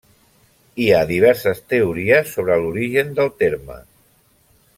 Hi ha diverses teories sobre l'origen del terme.